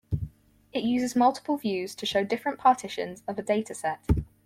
It uses multiple views to show different partitions of a dataset.